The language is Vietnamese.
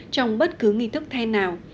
trong bất kỳ văn hóa